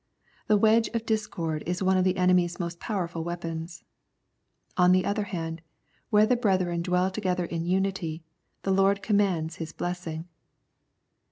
The wedge of discord is one of the enemy's most powerful weapons. On the other hand, where the brethren dwell together in unity, the Lord commands His blessing.